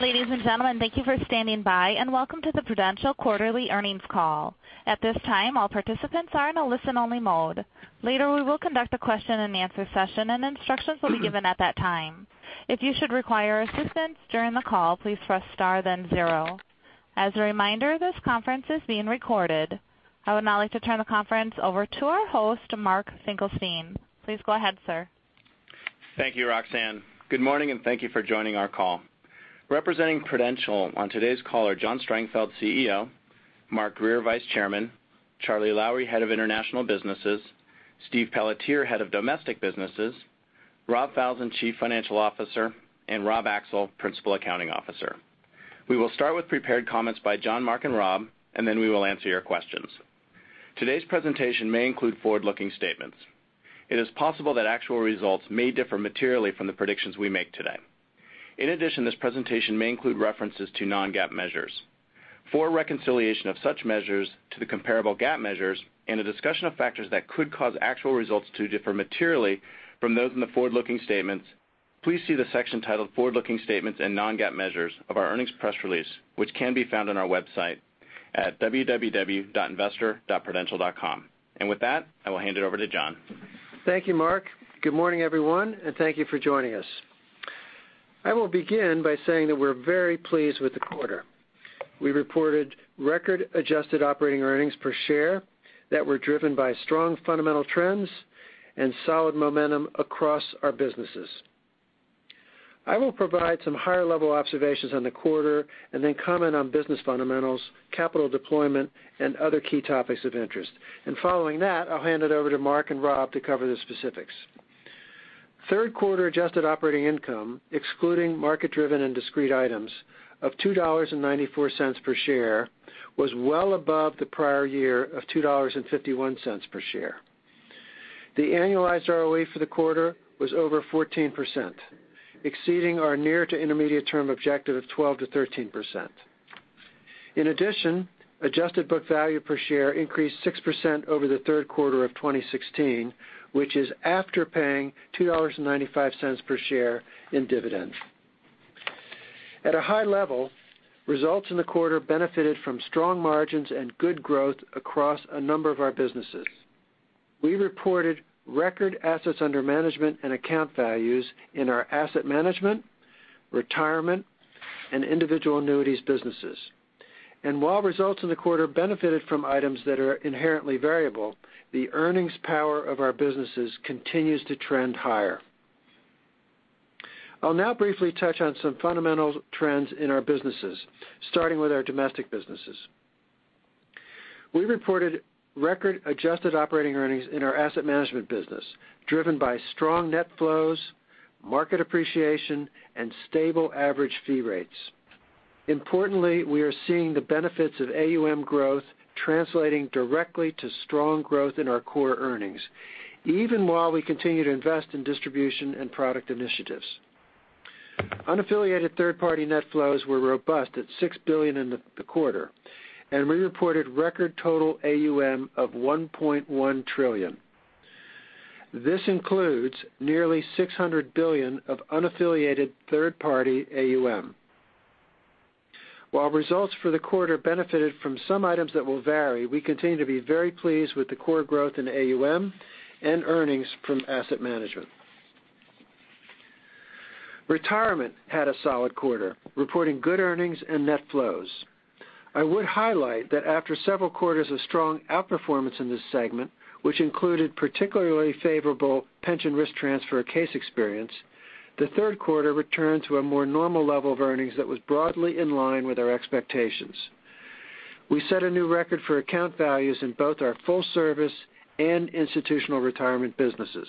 Ladies and gentlemen, thank you for standing by, welcome to the Prudential quarterly earnings call. At this time, all participants are in a listen-only mode. Later, we will conduct a question-and-answer session. Instructions will be given at that time. If you should require assistance during the call, please press star then zero. As a reminder, this conference is being recorded. I would now like to turn the conference over to our host, Mark Finkelstein. Please go ahead, sir. Thank you, Roxanne. Good morning, thank you for joining our call. Representing Prudential on today's call are John Strangfeld, CEO, Mark Grier, Vice Chairman, Charles Lowrey, Head of International Businesses, Stephen Pelletier, Head of Domestic Businesses, Robert Falzon, Chief Financial Officer, Robert Axel, Principal Accounting Officer. We will start with prepared comments by John, Mark, and Rob. Then we will answer your questions. Today's presentation may include forward-looking statements. It is possible that actual results may differ materially from the predictions we make today. In addition, this presentation may include references to non-GAAP measures. For a reconciliation of such measures to the comparable GAAP measures and a discussion of factors that could cause actual results to differ materially from those in the forward-looking statements, please see the section titled Forward-Looking Statements & Non-GAAP Measures of our earnings press release, which can be found on our website at www.investor.prudential.com. With that, I will hand it over to John. Thank you, Mark. Good morning, everyone, thank you for joining us. I will begin by saying that we're very pleased with the quarter. We reported record adjusted operating earnings per share that were driven by strong fundamental trends and solid momentum across our businesses. I will provide some higher-level observations on the quarter. Then comment on business fundamentals, capital deployment, and other key topics of interest. Following that, I'll hand it over to Mark and Rob to cover the specifics. Third quarter adjusted operating income, excluding market-driven and discrete items of $2.94 per share, was well above the prior year of $2.51 per share. The annualized ROE for the quarter was over 14%, exceeding our near to intermediate-term objective of 12%-13%. In addition, adjusted book value per share increased 6% over the third quarter of 2016, which is after paying $2.95 per share in dividends. At a high level, results in the quarter benefited from strong margins and good growth across a number of our businesses. We reported record assets under management and account values in our asset management, retirement, and individual annuities businesses. While results in the quarter benefited from items that are inherently variable, the earnings power of our businesses continues to trend higher. I'll now briefly touch on some fundamental trends in our businesses, starting with our domestic businesses. We reported record adjusted operating earnings in our asset management business, driven by strong net flows, market appreciation, and stable average fee rates. Importantly, we are seeing the benefits of AUM growth translating directly to strong growth in our core earnings, even while we continue to invest in distribution and product initiatives. Unaffiliated third-party net flows were robust at $6 billion in the quarter, and we reported record total AUM of $1.1 trillion. This includes nearly $600 billion of unaffiliated third-party AUM. While results for the quarter benefited from some items that will vary, we continue to be very pleased with the core growth in AUM and earnings from asset management. Retirement had a solid quarter, reporting good earnings and net flows. I would highlight that after several quarters of strong outperformance in this segment, which included particularly favorable pension risk transfer case experience, the third quarter returned to a more normal level of earnings that was broadly in line with our expectations. We set a new record for account values in both our full-service and institutional retirement businesses.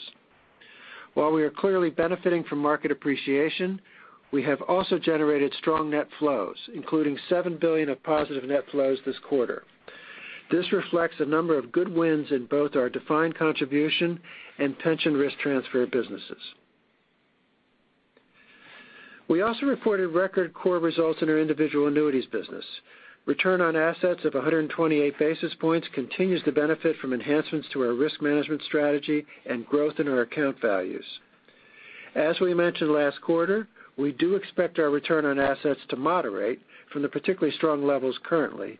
While we are clearly benefiting from market appreciation, we have also generated strong net flows, including $7 billion of positive net flows this quarter. This reflects a number of good wins in both our defined contribution and pension risk transfer businesses. We also reported record core results in our individual annuities business. Return on assets of 128 basis points continues to benefit from enhancements to our risk management strategy and growth in our account values. As we mentioned last quarter, we do expect our return on assets to moderate from the particularly strong levels currently,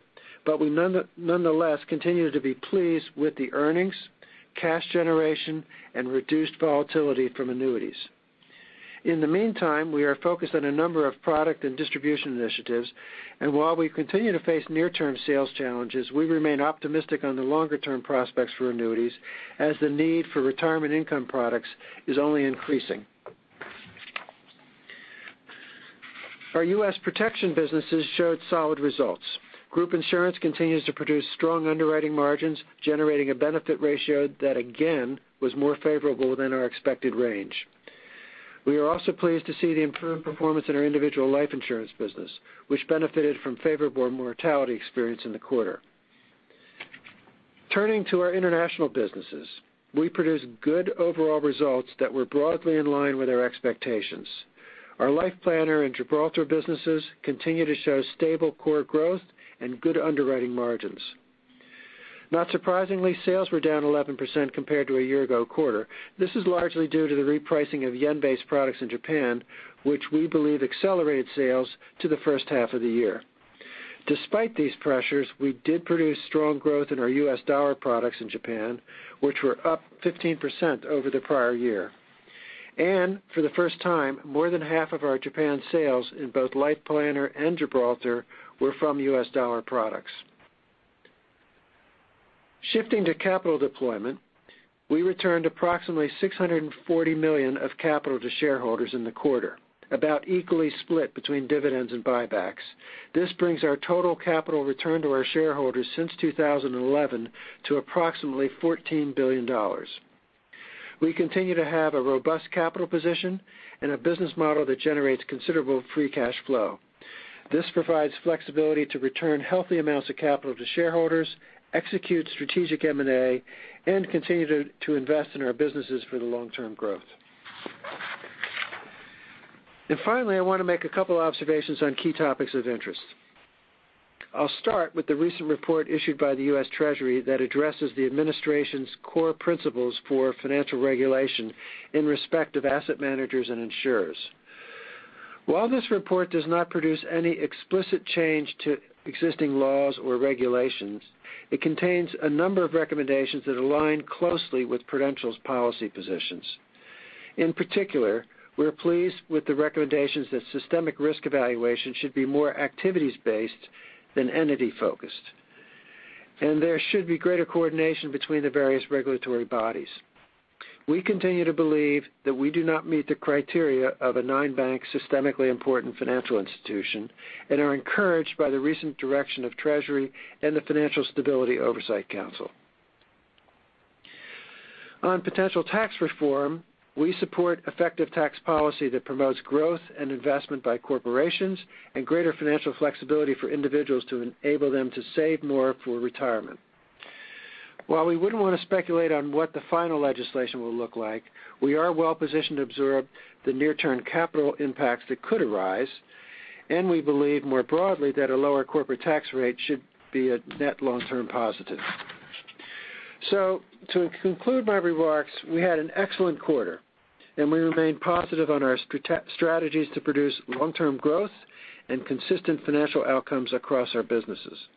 we nonetheless continue to be pleased with the earnings, cash generation, and reduced volatility from annuities. In the meantime, we are focused on a number of product and distribution initiatives, and while we continue to face near-term sales challenges, we remain optimistic on the longer-term prospects for annuities, as the need for retirement income products is only increasing. Our U.S. protection businesses showed solid results. Group insurance continues to produce strong underwriting margins, generating a benefit ratio that, again, was more favorable than our expected range. We are also pleased to see the improved performance in our individual life insurance business, which benefited from favorable mortality experience in the quarter. Turning to our international businesses, we produced good overall results that were broadly in line with our expectations. Our Life Planner and Gibraltar businesses continue to show stable core growth and good underwriting margins. Not surprisingly, sales were down 11% compared to a year-ago quarter. This is largely due to the repricing of yen-based products in Japan, which we believe accelerated sales to the first half of the year. Despite these pressures, we did produce strong growth in our U.S. dollar products in Japan, which were up 15% over the prior year. For the first time, more than half of our Japan sales in both Life Planner and Gibraltar were from U.S. dollar products. Shifting to capital deployment, we returned approximately $640 million of capital to shareholders in the quarter, about equally split between dividends and buybacks. This brings our total capital return to our shareholders since 2011 to approximately $14 billion. We continue to have a robust capital position and a business model that generates considerable free cash flow. This provides flexibility to return healthy amounts of capital to shareholders, execute strategic M&A, and continue to invest in our businesses for the long-term growth. Finally, I want to make a couple observations on key topics of interest. I'll start with the recent report issued by the U.S. Treasury that addresses the administration's core principles for financial regulation in respect of asset managers and insurers. While this report does not produce any explicit change to existing laws or regulations, it contains a number of recommendations that align closely with Prudential's policy positions. In particular, we're pleased with the recommendations that systemic risk evaluation should be more activities-based than entity-focused, and there should be greater coordination between the various regulatory bodies. We continue to believe that we do not meet the criteria of a non-bank systemically important financial institution and are encouraged by the recent direction of Treasury and the Financial Stability Oversight Council. On potential tax reform, we support effective tax policy that promotes growth and investment by corporations and greater financial flexibility for individuals to enable them to save more for retirement. While we wouldn't want to speculate on what the final legislation will look like, we are well-positioned to absorb the near-term capital impacts that could arise, and we believe, more broadly, that a lower corporate tax rate should be a net long-term positive. To conclude my remarks, we had an excellent quarter, and we remain positive on our strategies to produce long-term growth and consistent financial outcomes across our businesses.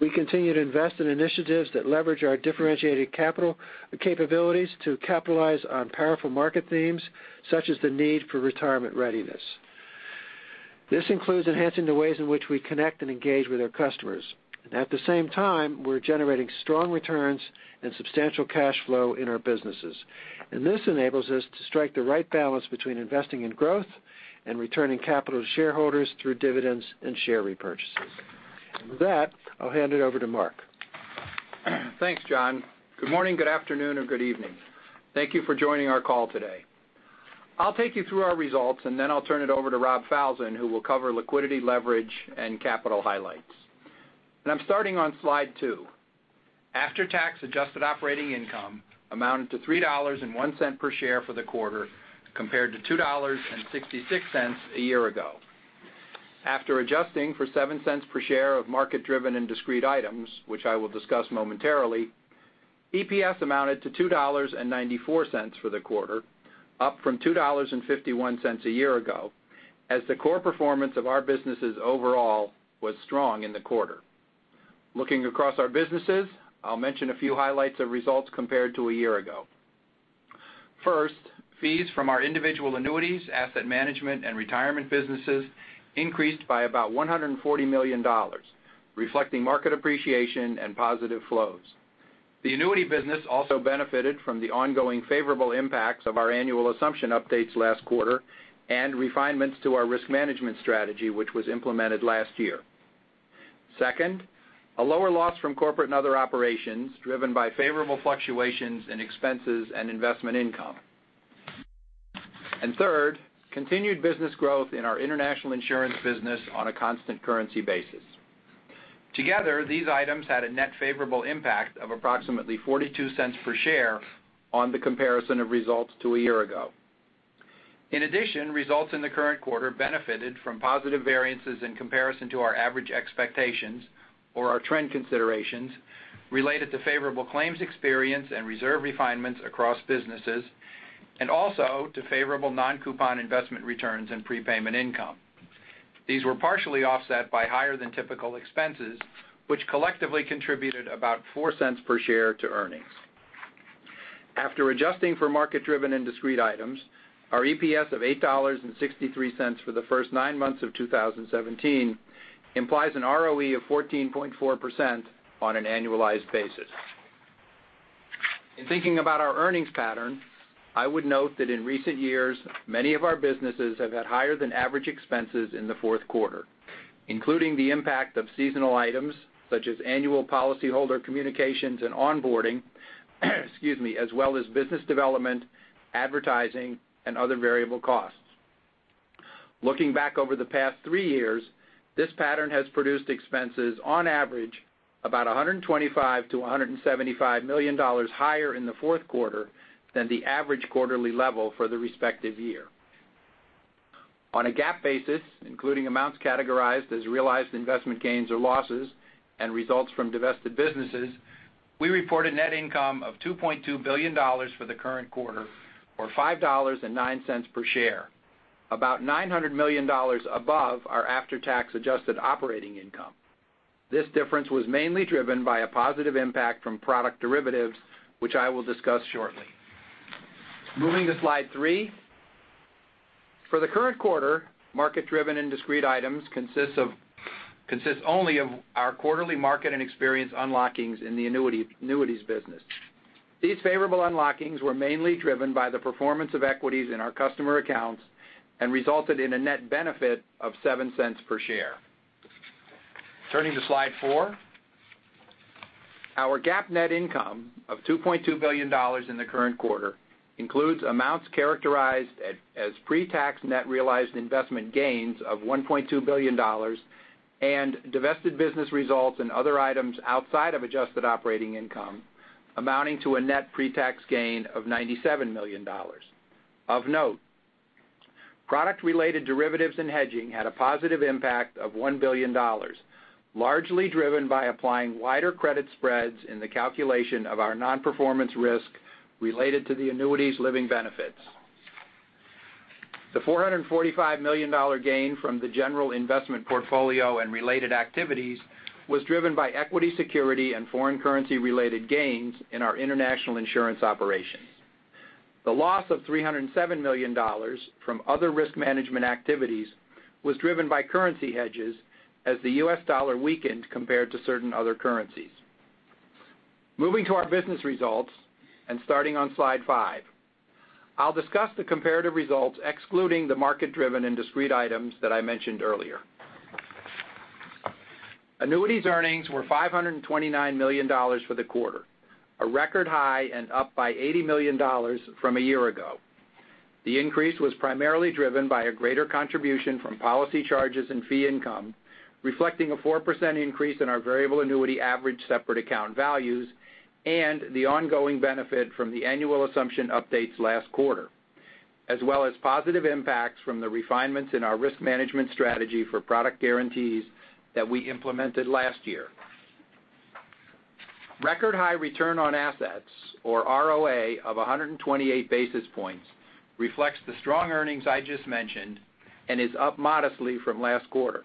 We continue to invest in initiatives that leverage our differentiated capabilities to capitalize on powerful market themes, such as the need for retirement readiness. This includes enhancing the ways in which we connect and engage with our customers. At the same time, we're generating strong returns and substantial cash flow in our businesses. This enables us to strike the right balance between investing in growth and returning capital to shareholders through dividends and share repurchases. With that, I'll hand it over to Mark. Thanks, John. Good morning, good afternoon, or good evening. Thank you for joining our call today. I'll take you through our results, then I'll turn it over to Rob Falzon, who will cover liquidity, leverage, and capital highlights. I'm starting on slide two. After-tax adjusted operating income amounted to $3.01 per share for the quarter compared to $2.66 a year ago. After adjusting for $0.07 per share of market-driven and discrete items, which I will discuss momentarily, EPS amounted to $2.94 for the quarter, up from $2.51 a year ago, as the core performance of our businesses overall was strong in the quarter. Looking across our businesses, I'll mention a few highlights of results compared to a year ago. First, fees from our individual annuities, asset management, and retirement businesses increased by about $140 million, reflecting market appreciation and positive flows. The annuity business also benefited from the ongoing favorable impacts of our annual assumption updates last quarter and refinements to our risk management strategy, which was implemented last year. Second, a lower loss from corporate and other operations, driven by favorable fluctuations in expenses and investment income. Third, continued business growth in our international insurance business on a constant currency basis. Together, these items had a net favorable impact of approximately $0.42 per share on the comparison of results to a year ago. In addition, results in the current quarter benefited from positive variances in comparison to our average expectations or our trend considerations related to favorable claims experience and reserve refinements across businesses, and also to favorable non-coupon investment returns and prepayment income. These were partially offset by higher than typical expenses, which collectively contributed about $0.04 per share to earnings. After adjusting for market-driven and discrete items, our EPS of $8.63 for the first nine months of 2017 implies an ROE of 14.4% on an annualized basis. In thinking about our earnings pattern, I would note that in recent years, many of our businesses have had higher than average expenses in the fourth quarter, including the impact of seasonal items such as annual policyholder communications and onboarding, excuse me, as well as business development, advertising, and other variable costs. Looking back over the past three years, this pattern has produced expenses on average about $125 million to $175 million higher in the fourth quarter than the average quarterly level for the respective year. On a GAAP basis, including amounts categorized as realized investment gains or losses and results from divested businesses, we reported net income of $2.2 billion for the current quarter, or $5.09 per share, about $900 million above our after-tax adjusted operating income. This difference was mainly driven by a positive impact from product derivatives, which I will discuss shortly. Moving to slide three. For the current quarter, market-driven and discrete items consists only of our quarterly market and experience unlockings in the annuities business. These favorable unlockings were mainly driven by the performance of equities in our customer accounts and resulted in a net benefit of $0.07 per share. Turning to slide four. Our GAAP net income of $2.2 billion in the current quarter includes amounts characterized as pretax net realized investment gains of $1.2 billion and divested business results and other items outside of adjusted operating income amounting to a net pretax gain of $97 million. Of note, product-related derivatives and hedging had a positive impact of $1 billion, largely driven by applying wider credit spreads in the calculation of our non-performance risk related to the annuities living benefits. The $445 million gain from the general investment portfolio and related activities was driven by equity security and foreign currency-related gains in our international insurance operations. The loss of $307 million from other risk management activities was driven by currency hedges as the U.S. dollar weakened compared to certain other currencies. Moving to our business results, starting on slide five, I'll discuss the comparative results excluding the market-driven and discrete items that I mentioned earlier. Annuities earnings were $529 million for the quarter, a record high and up by $80 million from a year ago. The increase was primarily driven by a greater contribution from policy charges and fee income, reflecting a 4% increase in our variable annuity average separate account values and the ongoing benefit from the annual assumption updates last quarter, as well as positive impacts from the refinements in our risk management strategy for product guarantees that we implemented last year. Record high return on assets, or ROA, of 128 basis points reflects the strong earnings I just mentioned and is up modestly from last quarter.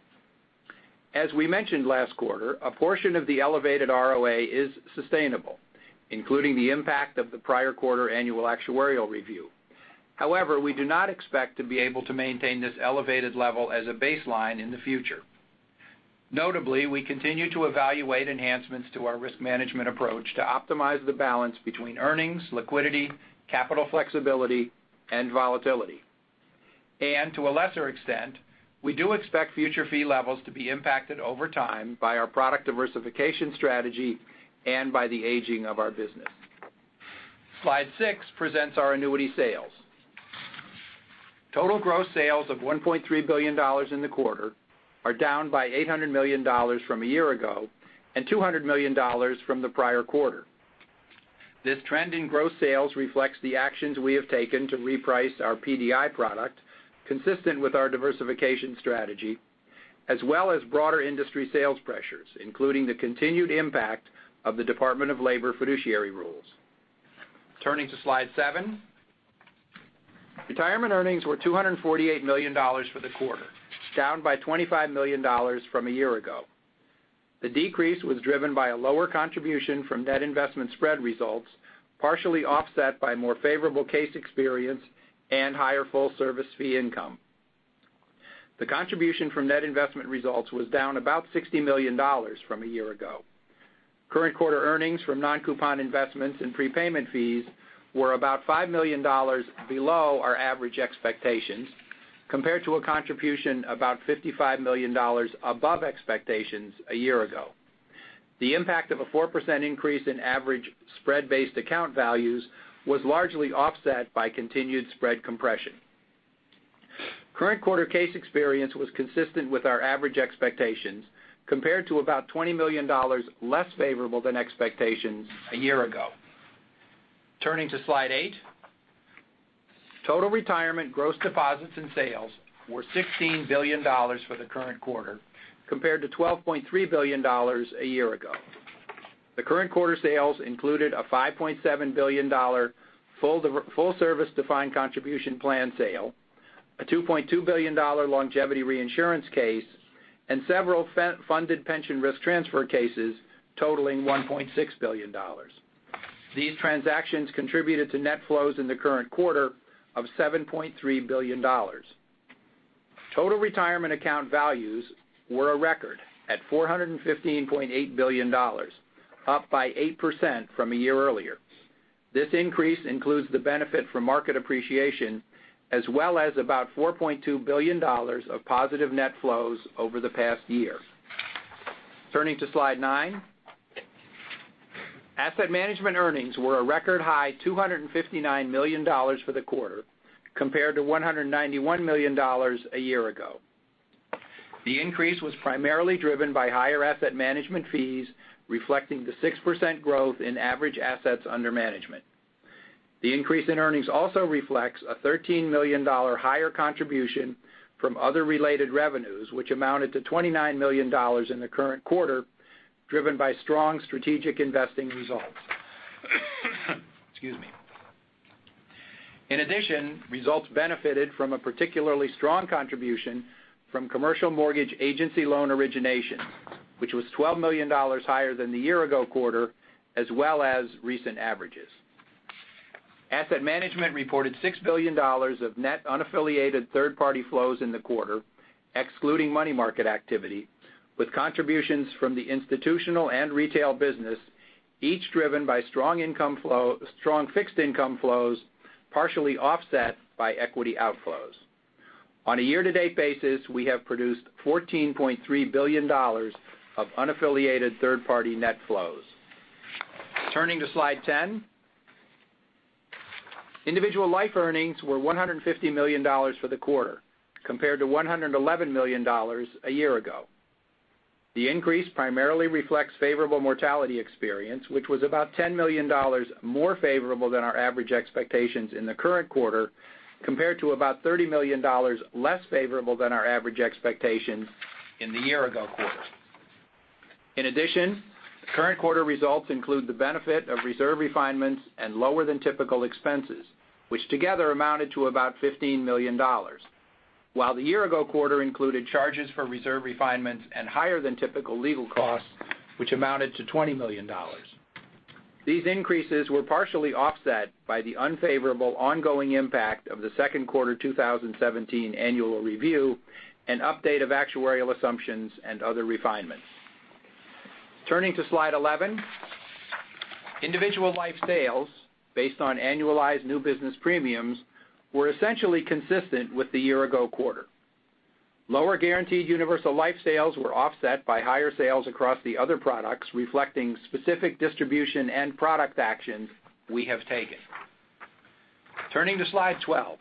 As we mentioned last quarter, a portion of the elevated ROA is sustainable, including the impact of the prior quarter annual actuarial review. However, we do not expect to be able to maintain this elevated level as a baseline in the future. Notably, we continue to evaluate enhancements to our risk management approach to optimize the balance between earnings, liquidity, capital flexibility and volatility. To a lesser extent, we do expect future fee levels to be impacted over time by our product diversification strategy and by the aging of our business. Slide six presents our annuity sales. Total gross sales of $1.3 billion in the quarter are down by $800 million from a year ago and $200 million from the prior quarter. This trend in gross sales reflects the actions we have taken to reprice our HDI product consistent with our diversification strategy, as well as broader industry sales pressures, including the continued impact of the Department of Labor Fiduciary rules. Turning to slide seven. Retirement earnings were $248 million for the quarter, down by $25 million from a year ago. The decrease was driven by a lower contribution from net investment spread results, partially offset by more favorable case experience and higher full-service fee income. The contribution from net investment results was down about $60 million from a year ago. Current quarter earnings from non-coupon investments and prepayment fees were about $5 million below our average expectations, compared to a contribution about $55 million above expectations a year ago. The impact of a 4% increase in average spread-based account values was largely offset by continued spread compression. Current quarter case experience was consistent with our average expectations, compared to about $20 million less favorable than expectations a year ago. Turning to slide eight. Total retirement gross deposits and sales were $16 billion for the current quarter, compared to $12.3 billion a year ago. The current quarter sales included a $5.7 billion full service defined contribution plan sale, a $2.2 billion longevity reinsurance case, and several funded pension risk transfer cases totaling $1.6 billion. These transactions contributed to net flows in the current quarter of $7.3 billion. Total retirement account values were a record at $415.8 billion, up by 8% from a year earlier. This increase includes the benefit from market appreciation, as well as about $4.2 billion of positive net flows over the past year. Turning to slide nine. Asset management earnings were a record high $259 million for the quarter, compared to $191 million a year ago. The increase was primarily driven by higher asset management fees, reflecting the 6% growth in average assets under management. The increase in earnings also reflects a $13 million higher contribution from other related revenues, which amounted to $29 million in the current quarter, driven by strong strategic investing results. Excuse me. In addition, results benefited from a particularly strong contribution from commercial mortgage agency loan origination, which was $12 million higher than the year ago quarter, as well as recent averages. Asset management reported $6 billion of net unaffiliated third-party flows in the quarter, excluding money market activity, with contributions from the institutional and retail business, each driven by strong fixed income flows, partially offset by equity outflows. On a year-to-date basis, we have produced $14.3 billion of unaffiliated third-party net flows. Turning to slide 10. Individual life earnings were $150 million for the quarter, compared to $111 million a year ago. The increase primarily reflects favorable mortality experience, which was about $10 million more favorable than our average expectations in the current quarter, compared to about $30 million less favorable than our average expectations in the year ago quarter. In addition, the current quarter results include the benefit of reserve refinements and lower than typical expenses, which together amounted to about $15 million. While the year ago quarter included charges for reserve refinements and higher than typical legal costs, which amounted to $20 million. These increases were partially offset by the unfavorable ongoing impact of the second quarter 2017 annual review, an update of actuarial assumptions, and other refinements. Turning to slide 11. Individual life sales, based on annualized new business premiums, were essentially consistent with the year ago quarter. Lower guaranteed universal life sales were offset by higher sales across the other products, reflecting specific distribution and product actions we have taken. Turning to slide 12.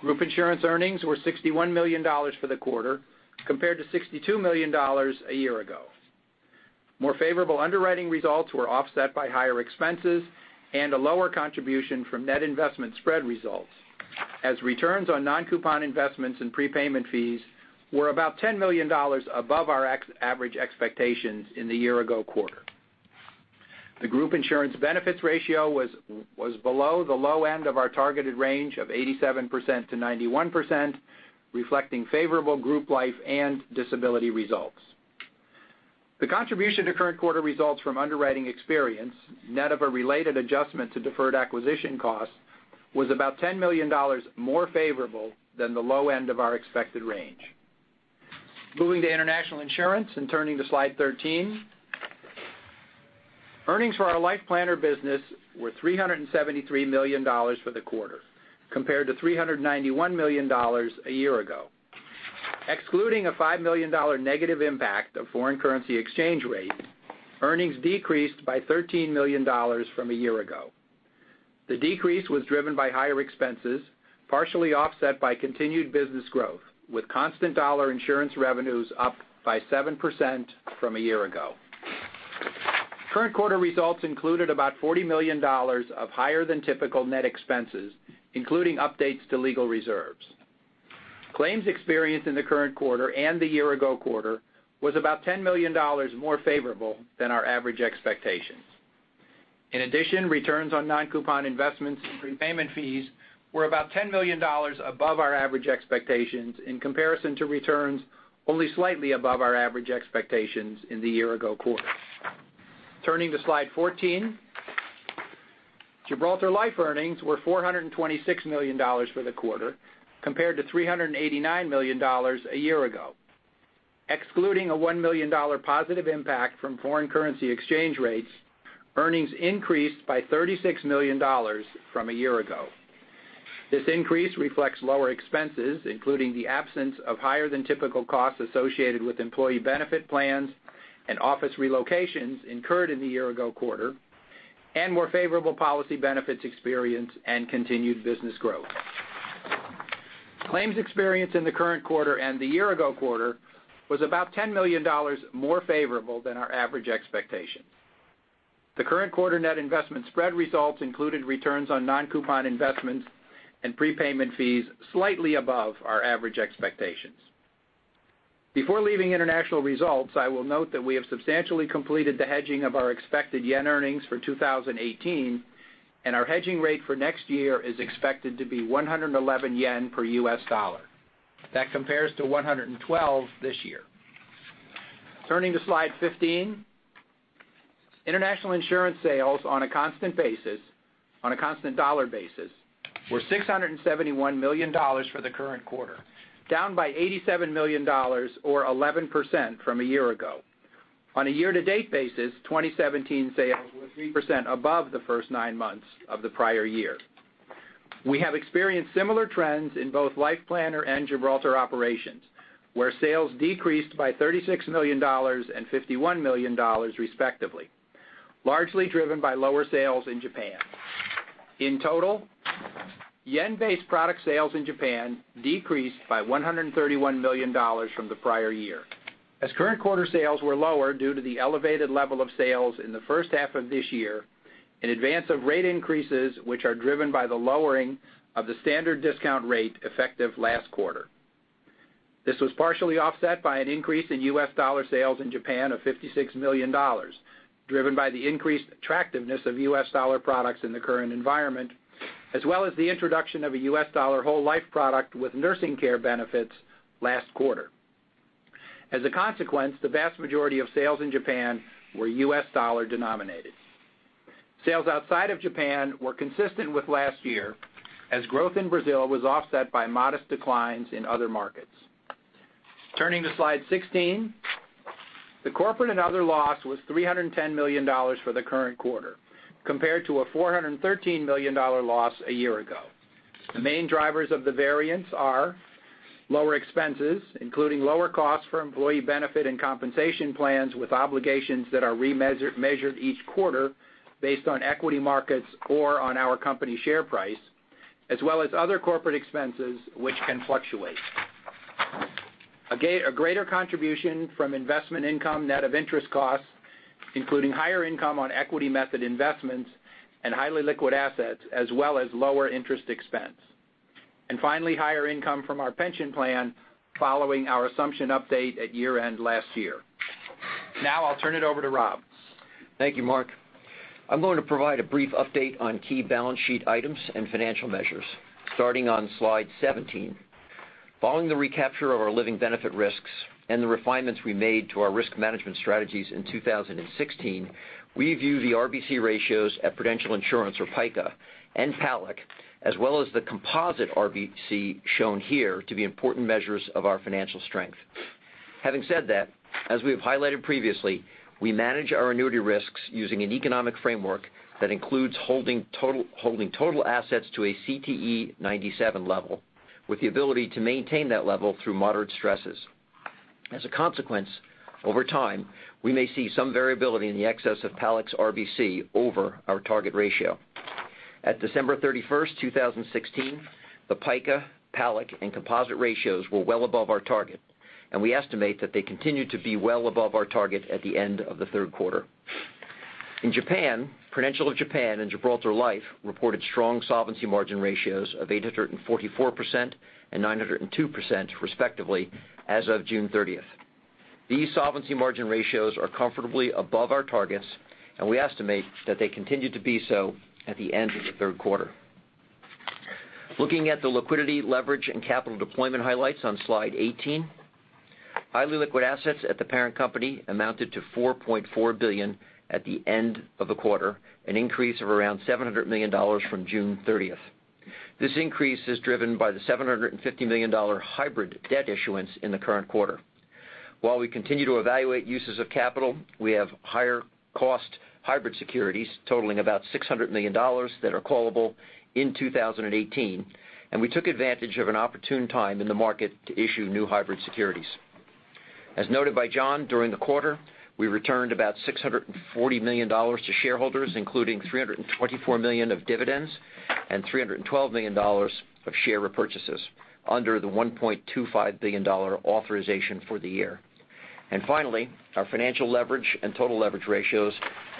Group insurance earnings were $61 million for the quarter, compared to $62 million a year ago. More favorable underwriting results were offset by higher expenses and a lower contribution from net investment spread results, as returns on non-coupon investments and prepayment fees were about $10 million above our average expectations in the year ago quarter. The group insurance benefits ratio was below the low end of our targeted range of 87%-91%, reflecting favorable group life and disability results. The contribution to current quarter results from underwriting experience, net of a related adjustment to deferred acquisition costs, was about $10 million more favorable than the low end of our expected range. Moving to international insurance and turning to slide 13. Earnings for our Life Planner business were $373 million for the quarter, compared to $391 million a year ago. Excluding a $5 million negative impact of foreign currency exchange rates, earnings decreased by $13 million from a year ago. The decrease was driven by higher expenses, partially offset by continued business growth, with constant dollar insurance revenues up by 7% from a year ago. Current quarter results included about $40 million of higher than typical net expenses, including updates to legal reserves. Claims experience in the current quarter and the year ago quarter was about $10 million more favorable than our average expectations. Returns on non-coupon investments and prepayment fees were about $10 million above our average expectations in comparison to returns only slightly above our average expectations in the year ago quarter. Turning to slide 14. Gibraltar Life earnings were $426 million for the quarter, compared to $389 million a year ago. Excluding a $1 million positive impact from foreign currency exchange rates, earnings increased by $36 million from a year ago. This increase reflects lower expenses, including the absence of higher than typical costs associated with employee benefit plans and office relocations incurred in the year ago quarter, and more favorable policy benefits experience and continued business growth. Claims experience in the current quarter and the year ago quarter was about $10 million more favorable than our average expectation. The current quarter net investment spread results included returns on non-coupon investments and prepayment fees slightly above our average expectations. Before leaving international results, I will note that we have substantially completed the hedging of our expected JPY earnings for 2018, and our hedging rate for next year is expected to be 111 yen per USD. That compares to 112 this year. Turning to slide 15. International insurance sales on a constant dollar basis were $671 million for the current quarter, down by $87 million or 11% from a year ago. On a year-to-date basis, 2017 sales were 3% above the first nine months of the prior year. We have experienced similar trends in both Life Planner and Gibraltar operations, where sales decreased by $36 million and $51 million respectively, largely driven by lower sales in Japan. In total JPY-based product sales in Japan decreased by $131 million from the prior year. Current quarter sales were lower due to the elevated level of sales in the first half of this year, in advance of rate increases, which are driven by the lowering of the standard discount rate effective last quarter. This was partially offset by an increase in USD sales in Japan of $56 million, driven by the increased attractiveness of USD products in the current environment, as well as the introduction of a USD whole life product with nursing care benefits last quarter. As a consequence, the vast majority of sales in Japan were USD denominated. Sales outside of Japan were consistent with last year, as growth in Brazil was offset by modest declines in other markets. Turning to slide 16. The corporate and other loss was $310 million for the current quarter, compared to a $413 million loss a year ago. The main drivers of the variance are lower expenses, including lower costs for employee benefit and compensation plans with obligations that are remeasured each quarter based on equity markets or on our company share price, as well as other corporate expenses which can fluctuate. A greater contribution from investment income net of interest costs, including higher income on equity method investments and highly liquid assets, as well as lower interest expense. Finally, higher income from our pension plan following our assumption update at year-end last year. I'll turn it over to Rob. Thank you, Mark. I'm going to provide a brief update on key balance sheet items and financial measures, starting on slide 17. Following the recapture of our living benefit risks and the refinements we made to our risk management strategies in 2016, we view the RBC ratios at Prudential Insurance or PICA and PALIC, as well as the composite RBC shown here to be important measures of our financial strength. Having said that, as we have highlighted previously, we manage our annuity risks using an economic framework that includes holding total assets to a CTE 97 level, with the ability to maintain that level through moderate stresses. As a consequence, over time, we may see some variability in the excess of PALIC's RBC over our target ratio. At December 31st, 2016, the PICA, PALIC, and composite ratios were well above our target, and we estimate that they continue to be well above our target at the end of the third quarter. In Japan, Prudential of Japan and Gibraltar Life reported strong solvency margin ratios of 844% and 902% respectively, as of June 30th. These solvency margin ratios are comfortably above our targets, and we estimate that they continue to be so at the end of the third quarter. Looking at the liquidity leverage and capital deployment highlights on slide 18. Highly liquid assets at the parent company amounted to $4.4 billion at the end of the quarter, an increase of around $700 million from June 30th. This increase is driven by the $750 million hybrid debt issuance in the current quarter. While we continue to evaluate uses of capital, we have higher cost hybrid securities totaling about $600 million that are callable in 2018. We took advantage of an opportune time in the market to issue new hybrid securities. As noted by John, during the quarter, we returned about $640 million to shareholders, including $324 million of dividends and $312 million of share repurchases under the $1.25 billion authorization for the year. Finally, our financial leverage and total leverage ratios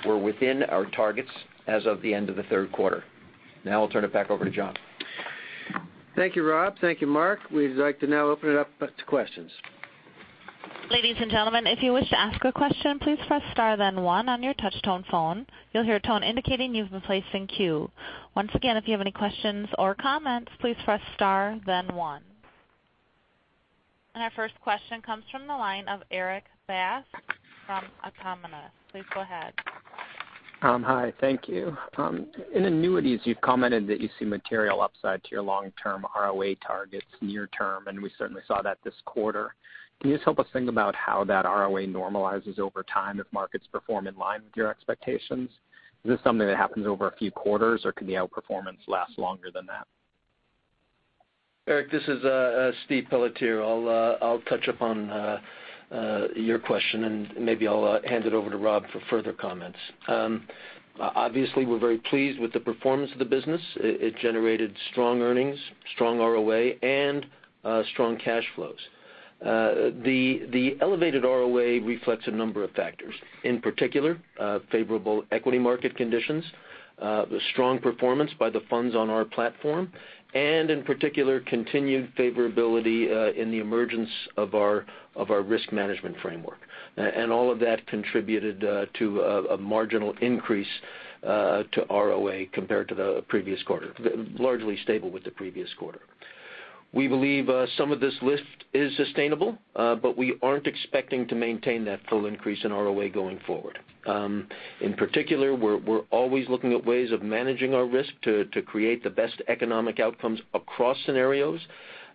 were within our targets as of the end of the third quarter. I'll turn it back over to John. Thank you, Rob. Thank you, Mark. We'd like to now open it up to questions. Ladies and gentlemen, if you wish to ask a question, please press star then one on your touch tone phone. You'll hear a tone indicating you've been placed in queue. Once again, if you have any questions or comments, please press star then one. Our first question comes from the line of Erik Bass from Autonomous Research. Please go ahead. Hi, thank you. In annuities, you've commented that you see material upside to your long-term ROA targets near term, and we certainly saw that this quarter. Can you just help us think about how that ROA normalizes over time if markets perform in line with your expectations? Is this something that happens over a few quarters, or can the outperformance last longer than that? Erik, this is Stephen Pelletier. I'll touch upon your question, and maybe I'll hand it over to Rob for further comments. Obviously, we're very pleased with the performance of the business. It generated strong earnings, strong ROA, and strong cash flows. The elevated ROA reflects a number of factors, in particular, favorable equity market conditions, the strong performance by the funds on our platform, and in particular, continued favorability in the emergence of our risk management framework. All of that contributed to a marginal increase to ROA compared to the previous quarter, largely stable with the previous quarter. We believe some of this lift is sustainable, but we aren't expecting to maintain that full increase in ROA going forward. In particular, we're always looking at ways of managing our risk to create the best economic outcomes across scenarios,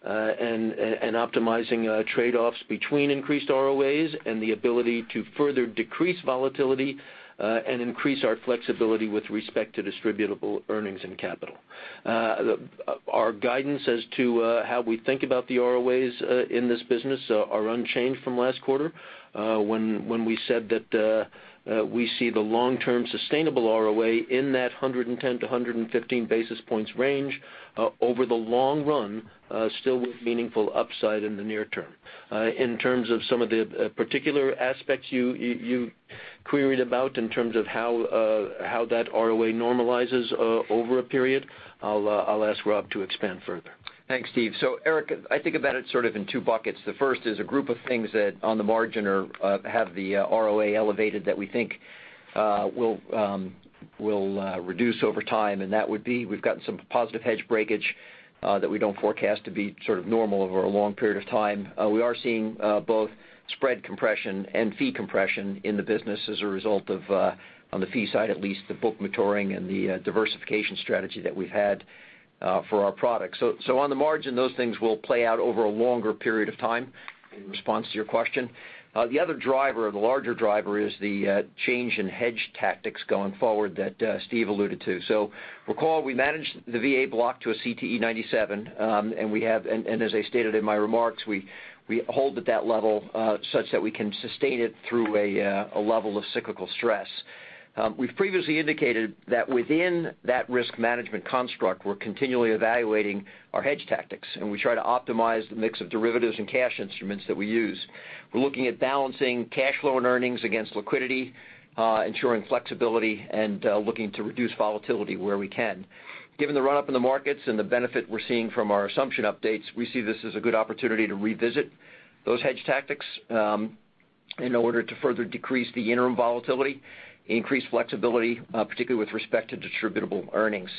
and optimizing trade-offs between increased ROAs and the ability to further decrease volatility, and increase our flexibility with respect to distributable earnings and capital. Our guidance as to how we think about the ROAs in this business are unchanged from last quarter when we said that we see the long-term sustainable ROA in that 110 to 115 basis points range over the long run, still with meaningful upside in the near term. In terms of some of the particular aspects you queried about in terms of how that ROA normalizes over a period, I'll ask Rob to expand further. Thanks, Steve. Erik, I think about it sort of in two buckets. The first is a group of things that on the margin have the ROA elevated that we think will reduce over time, and that would be we've gotten some positive hedge breakage that we don't forecast to be sort of normal over a long period of time. We are seeing both spread compression and fee compression in the business as a result of, on the fee side at least, the book maturing and the diversification strategy that we've had for our products. On the margin, those things will play out over a longer period of time in response to your question. The other driver, the larger driver, is the change in hedge tactics going forward that Steve alluded to. Recall, we managed the VA block to a CTE 97. As I stated in my remarks, we hold at that level such that we can sustain it through a level of cyclical stress. We've previously indicated that within that risk management construct, we're continually evaluating our hedge tactics, and we try to optimize the mix of derivatives and cash instruments that we use. We're looking at balancing cash flow and earnings against liquidity, ensuring flexibility, and looking to reduce volatility where we can. Given the run-up in the markets and the benefit we're seeing from our assumption updates, we see this as a good opportunity to revisit those hedge tactics in order to further decrease the interim volatility, increase flexibility, particularly with respect to distributable earnings.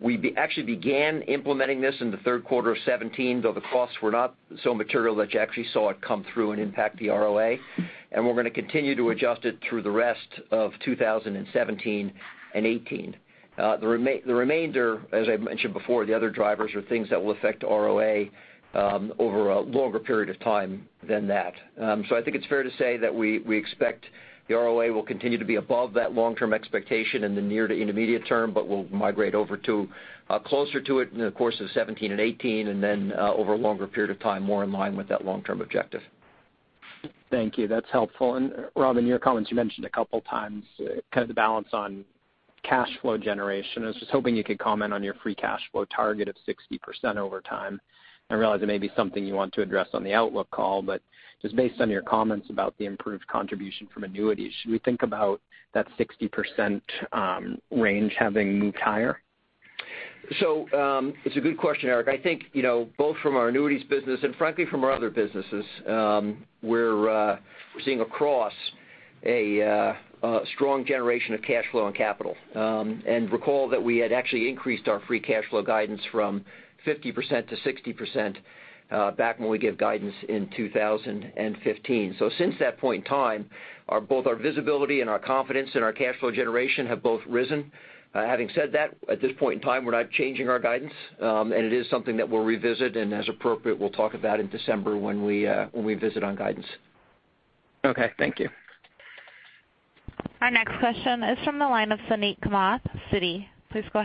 We actually began implementing this in the third quarter of 2017, though the costs were not so material that you actually saw it come through and impact the ROA. We're going to continue to adjust it through the rest of 2017 and 2018. The remainder, as I mentioned before, the other drivers are things that will affect ROA over a longer period of time than that. I think it's fair to say that we expect the ROA will continue to be above that long-term expectation in the near to intermediate term, but will migrate over to closer to it in the course of 2017 and 2018, and then over a longer period of time, more in line with that long-term objective. Thank you. That's helpful. Rob, in your comments, you mentioned a couple times kind of the balance on cash flow generation. I was just hoping you could comment on your free cash flow target of 60% over time. I realize it may be something you want to address on the outlook call, but just based on your comments about the improved contribution from annuities, should we think about that 60% range having moved higher? It's a good question, Erik. I think both from our annuities business and frankly from our other businesses, we're seeing across a strong generation of cash flow and capital. Recall that we had actually increased our free cash flow guidance from 50% to 60% back when we gave guidance in 2015. Since that point in time, both our visibility and our confidence in our cash flow generation have both risen. Having said that, at this point in time, we're not changing our guidance, and it is something that we'll revisit, and as appropriate, we'll talk about in December when we visit on guidance. Okay. Thank you. Our next question is from the line of Suneet Kamath, Citi. Please go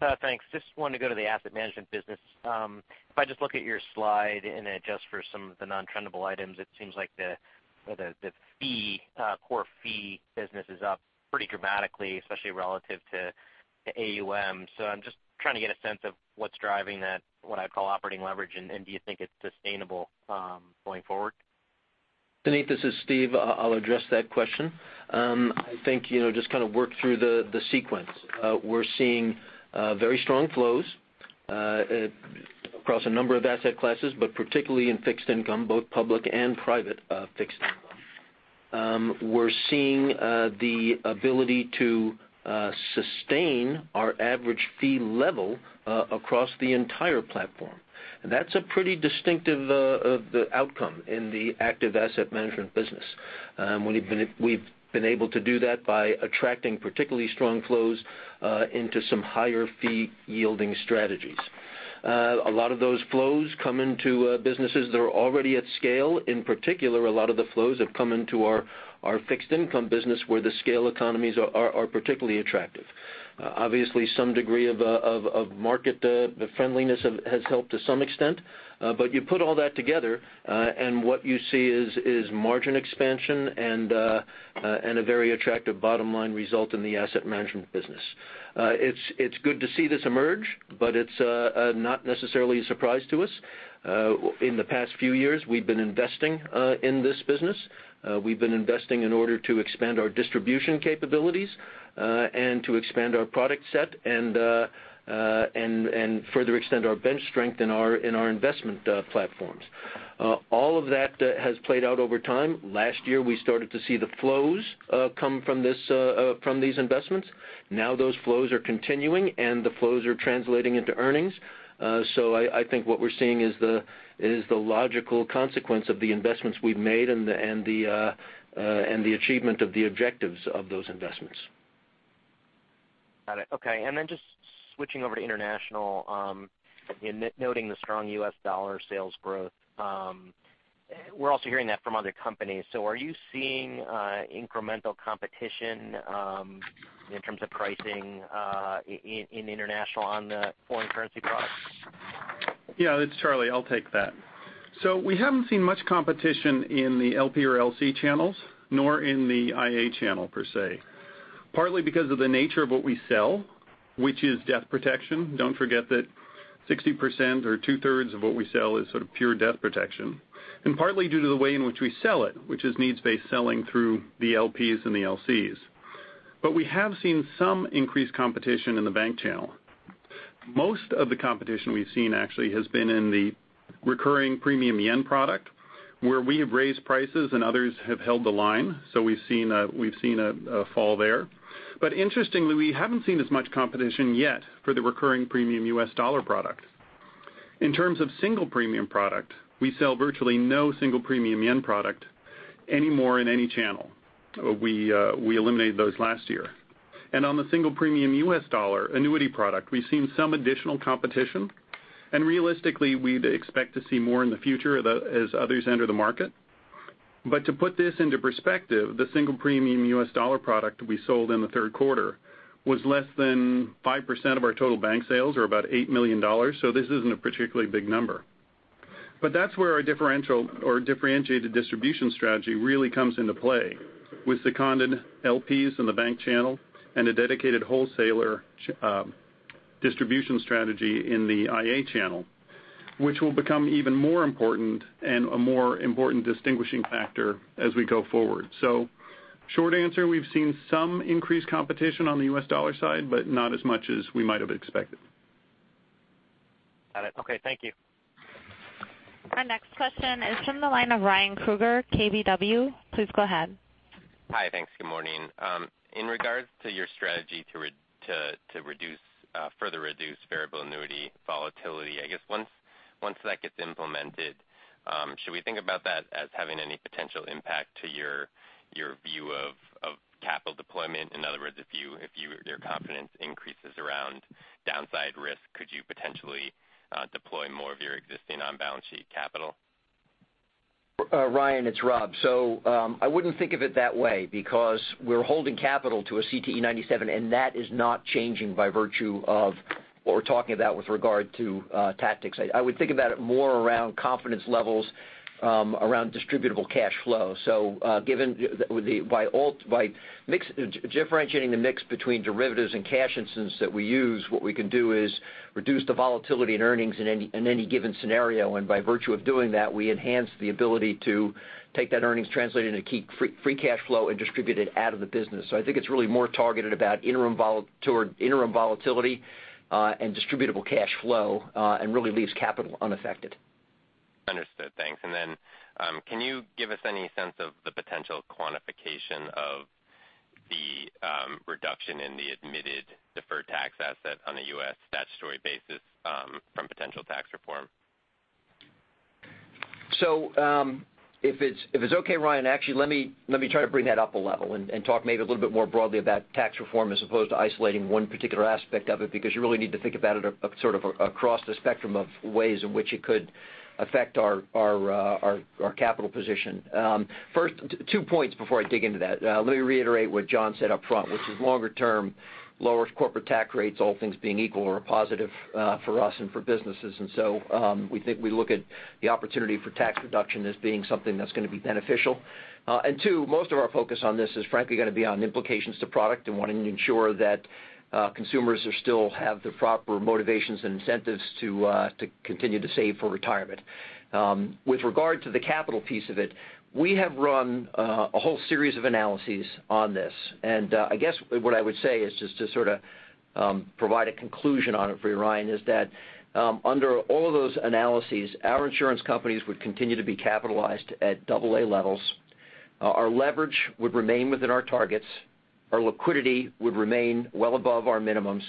ahead. Thanks. Just wanted to go to the asset management business. If I just look at your slide and adjust for some of the non-trendable items, it seems like the core fee business is up pretty dramatically, especially relative to AUM. I'm just trying to get a sense of what's driving that, what I'd call operating leverage, and do you think it's sustainable going forward? Suneet, this is Steve. I'll address that question. I think just kind of work through the sequence. We're seeing very strong flows across a number of asset classes, but particularly in fixed income, both public and private fixed income. We're seeing the ability to sustain our average fee level across the entire platform. That's a pretty distinctive outcome in the active asset management business. We've been able to do that by attracting particularly strong flows into some higher fee yielding strategies. A lot of those flows come into businesses that are already at scale. In particular, a lot of the flows have come into our fixed income business where the scale economies are particularly attractive. Obviously, some degree of market friendliness has helped to some extent. You put all that together, and what you see is margin expansion and a very attractive bottom-line result in the asset management business. It's good to see this emerge, but it's not necessarily a surprise to us. In the past few years, we've been investing in this business. We've been investing in order to expand our distribution capabilities and to expand our product set and further extend our bench strength in our investment platforms. All of that has played out over time. Last year, we started to see the flows come from these investments. Now those flows are continuing, and the flows are translating into earnings. I think what we're seeing is the logical consequence of the investments we've made and the achievement of the objectives of those investments. Got it. Okay. Just switching over to international, noting the strong U.S. dollar sales growth. We're also hearing that from other companies. Are you seeing incremental competition in terms of pricing in international on the foreign currency products? Yeah. It's Charlie, I'll take that. We haven't seen much competition in the LP or LC channels, nor in the IA channel, per se. Partly because of the nature of what we sell, which is death protection. Don't forget that 60% or two-thirds of what we sell is sort of pure death protection. Partly due to the way in which we sell it, which is needs-based selling through the LPs and the LCs. We have seen some increased competition in the bank channel. Most of the competition we've seen actually has been in the recurring premium yen product, where we have raised prices and others have held the line. We've seen a fall there. Interestingly, we haven't seen as much competition yet for the recurring premium U.S. dollar product. In terms of single premium product, we sell virtually no single premium yen product anymore in any channel. We eliminated those last year. On the single premium U.S. dollar annuity product, we've seen some additional competition, and realistically, we'd expect to see more in the future as others enter the market. To put this into perspective, the single premium U.S. dollar product we sold in the third quarter was less than 5% of our total bank sales or about $8 million, this isn't a particularly big number. That's where our differential or differentiated distribution strategy really comes into play with seconded LPs in the bank channel and a dedicated wholesaler distribution strategy in the IA channel, which will become even more important and a more important distinguishing factor as we go forward. Short answer, we've seen some increased competition on the U.S. dollar side, not as much as we might have expected. Got it. Okay, thank you. Our next question is from the line of Ryan Krueger, KBW. Please go ahead. Hi. Thanks. Good morning. In regards to your strategy to further reduce variable annuity volatility, I guess once that gets implemented, should we think about that as having any potential impact to your view of capital deployment? In other words, if your confidence increases around downside risk, could you potentially deploy more of your existing on-balance-sheet capital? Ryan, it's Rob. I wouldn't think of it that way because we're holding capital to a CTE 97, and that is not changing by virtue of what we're talking about with regard to tactics. I would think about it more around confidence levels around distributable cash flow. Differentiating the mix between derivatives and cash instance that we use, what we can do is reduce the volatility in earnings in any given scenario, and by virtue of doing that, we enhance the ability to take that earnings translated into key free cash flow and distribute it out of the business. I think it's really more targeted toward interim volatility and distributable cash flow, and really leaves capital unaffected. Understood. Thanks. Can you give us any sense of the potential quantification of the reduction in the admitted deferred tax asset on a U.S. statutory basis from potential tax reform? If it's okay, Ryan, actually let me try to bring that up a level and talk maybe a little bit more broadly about tax reform as opposed to isolating one particular aspect of it, because you really need to think about it sort of across the spectrum of ways in which it could affect our capital position. First, two points before I dig into that. Let me reiterate what John said up front, which is longer term lowers corporate tax rates, all things being equal, are a positive for us and for businesses. We look at the opportunity for tax reduction as being something that's going to be beneficial. Two, most of our focus on this is frankly going to be on implications to product and wanting to ensure that consumers still have the proper motivations and incentives to continue to save for retirement. With regard to the capital piece of it, we have run a whole series of analyses on this. I guess what I would say is just to sort of provide a conclusion on it for you, Ryan, is that under all of those analyses, our insurance companies would continue to be capitalized at AA levels. Our leverage would remain within our targets, our liquidity would remain well above our minimums,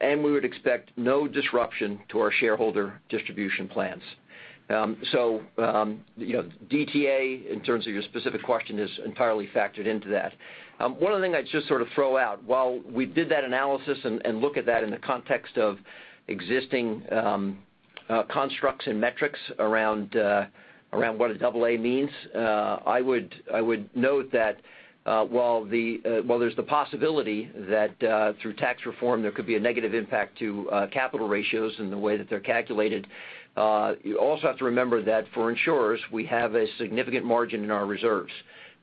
and we would expect no disruption to our shareholder distribution plans. DTA, in terms of your specific question, is entirely factored into that. One other thing I'd just sort of throw out, while we did that analysis and look at that in the context of existing constructs and metrics around what a AA means, I would note that while there's the possibility that through tax reform there could be a negative impact to capital ratios in the way that they're calculated, you also have to remember that for insurers, we have a significant margin in our reserves.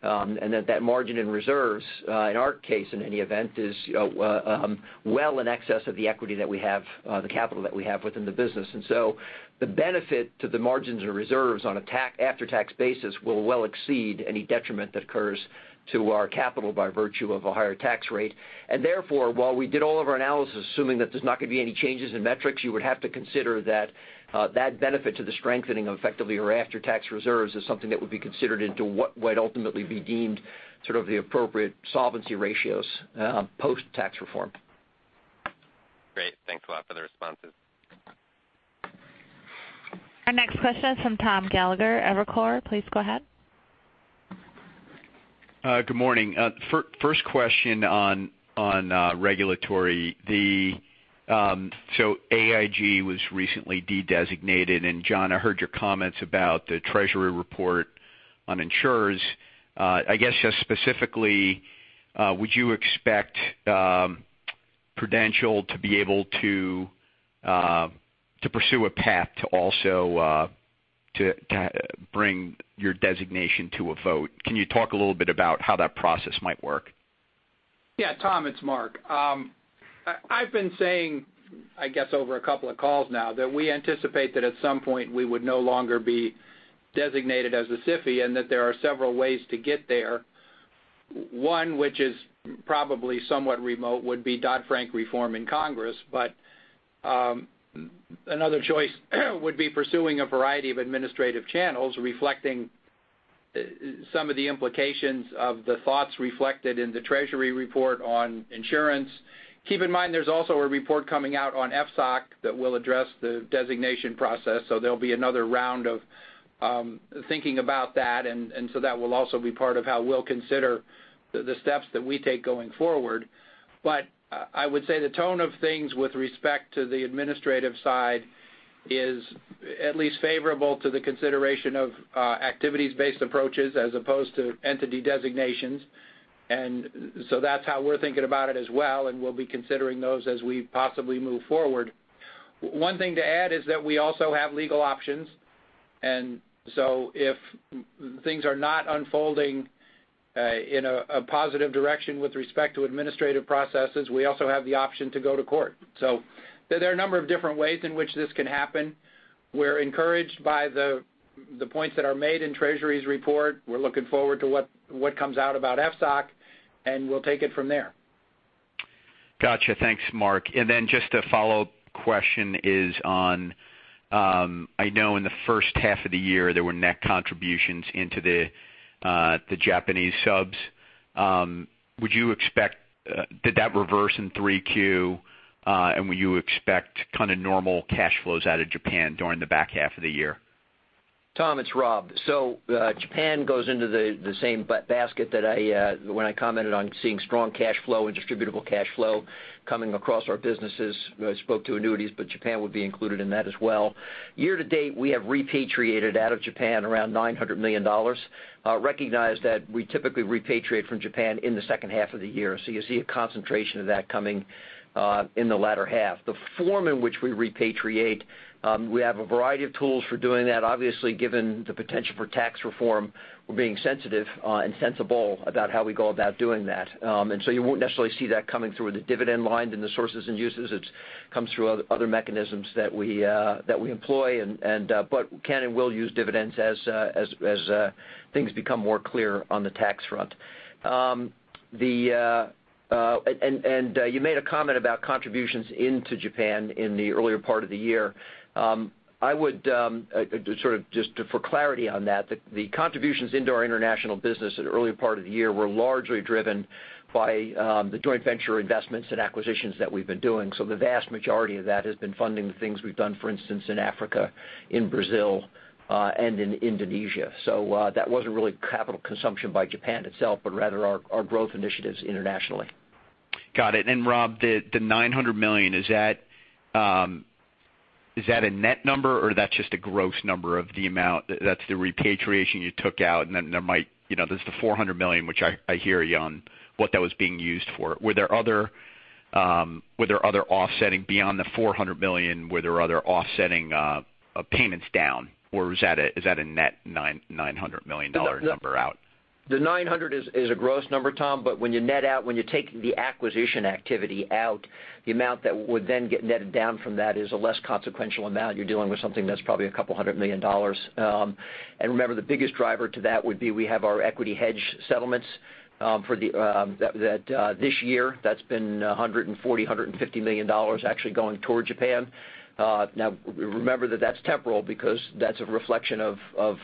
That margin in reserves, in our case in any event, is well in excess of the equity that we have, the capital that we have within the business. The benefit to the margins and reserves on after-tax basis will well exceed any detriment that occurs to our capital by virtue of a higher tax rate. Therefore, while we did all of our analysis assuming that there's not going to be any changes in metrics, you would have to consider that benefit to the strengthening of effectively your after-tax reserves is something that would be considered into what would ultimately be deemed sort of the appropriate solvency ratios post-tax reform. Great. Thanks a lot for the responses. Our next question is from Thomas Gallagher, Evercore. Please go ahead. Good morning. First question on regulatory. AIG was recently de-designated, and John, I heard your comments about the Treasury report on insurers. I guess just specifically, would you expect Prudential to be able to pursue a path to also bring your designation to a vote? Can you talk a little bit about how that process might work? Yeah, Tom, it's Mark. I've been saying, I guess over a couple of calls now, that we anticipate that at some point we would no longer be designated as a SIFI and that there are several ways to get there. One which is probably somewhat remote would be Dodd-Frank reform in Congress, but another choice would be pursuing a variety of administrative channels reflecting some of the implications of the thoughts reflected in the Treasury report on insurance. Keep in mind there's also a report coming out on FSOC that will address the designation process, so there'll be another round of thinking about that, and that will also be part of how we'll consider the steps that we take going forward. I would say the tone of things with respect to the administrative side is at least favorable to the consideration of activities-based approaches as opposed to entity designations. That's how we're thinking about it as well, and we'll be considering those as we possibly move forward. One thing to add is that we also have legal options, if things are not unfolding in a positive direction with respect to administrative processes, we also have the option to go to court. There are a number of different ways in which this can happen. We're encouraged by the points that are made in Treasury's report. We're looking forward to what comes out about FSOC, and we'll take it from there. Got you. Thanks, Mark. Just a follow-up question is on, I know in the first half of the year, there were net contributions into the Japanese subs. Did that reverse in 3Q, and would you expect kind of normal cash flows out of Japan during the back half of the year? Tom, it's Rob. Japan goes into the same basket that when I commented on seeing strong cash flow and distributable cash flow coming across our businesses. I spoke to annuities, but Japan would be included in that as well. Year to date, we have repatriated out of Japan around $900 million. Recognize that we typically repatriate from Japan in the second half of the year, so you see a concentration of that coming in the latter half. The form in which we repatriate, we have a variety of tools for doing that. Obviously, given the potential for tax reform, we're being sensitive and sensible about how we go about doing that. You won't necessarily see that coming through the dividend line in the sources and uses. It comes through other mechanisms that we employ, but can and will use dividends as things become more clear on the tax front. You made a comment about contributions into Japan in the earlier part of the year. Just for clarity on that, the contributions into our international business at the earlier part of the year were largely driven by the joint venture investments and acquisitions that we've been doing. The vast majority of that has been funding the things we've done, for instance, in Africa, in Brazil, and in Indonesia. That wasn't really capital consumption by Japan itself, but rather our growth initiatives internationally. Got it. Rob, the $900 million, is that a net number or that's just a gross number of the amount that's the repatriation you took out and then there's the $400 million, which I hear you on what that was being used for. Beyond the $400 million, were there other offsetting payments down, or is that a net $900 million number out? The $900 is a gross number, Tom. When you net out, when you take the acquisition activity out, the amount that would then get netted down from that is a less consequential amount. You're dealing with something that's probably a couple hundred million dollars. Remember, the biggest driver to that would be we have our equity hedge settlements that this year, that's been $140 million, $150 million actually going toward Japan. Remember that's temporal because that's a reflection of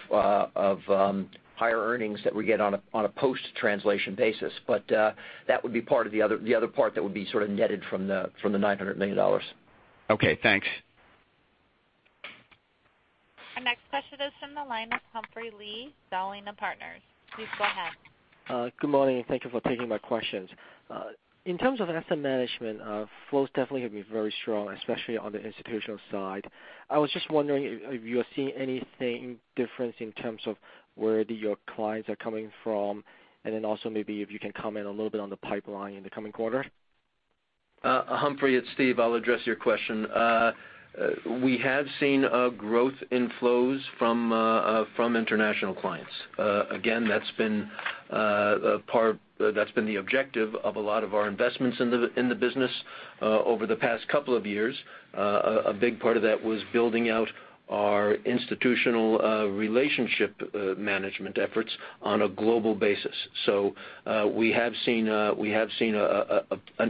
higher earnings that we get on a post-translation basis. That would be part of the other part that would be sort of netted from the $900 million. Okay, thanks. Our next question is from the line of Humphrey Lee, Dowling & Partners. Please go ahead. Good morning. Thank you for taking my questions. In terms of asset management, flows definitely have been very strong, especially on the institutional side. I was just wondering if you are seeing anything different in terms of where your clients are coming from, then also maybe if you can comment a little bit on the pipeline in the coming quarter. Humphrey, it's Steve. I'll address your question. We have seen a growth in flows from international clients. Again, that's been the objective of a lot of our investments in the business over the past couple of years. A big part of that was building out our institutional relationship management efforts on a global basis. We have seen an